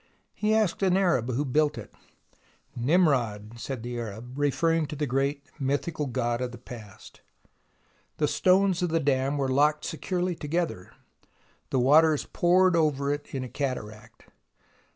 He asked an Arab who built it, " Nimrod," said the Arab, referring to the great mythical god of the past. The stones of the dam were locked securely to gether. The waters poured over it in a cataract.